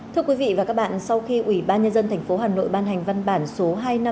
thưa quý vị và các bạn sau khi ủy ban nhân dân tp hà nội ban hành văn bản số hai nghìn năm trăm sáu mươi hai